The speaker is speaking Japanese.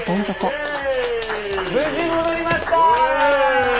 無事戻りました！